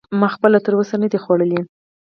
ما خپله تر اوسه نه دی خوړلی.